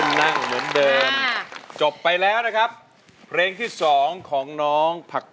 อย่าโกรธแขนเครื่องใด